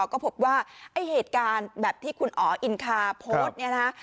ก็พบว่าไอ้เหตุการณ์แบบที่คุณอ๋ออินคาโพสต์เนี่ยนะฮะ